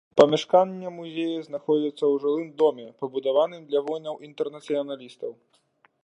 Памяшканне музея знаходзіцца ў жылым доме, пабудаваным для воінаў-інтэрнацыяналістаў.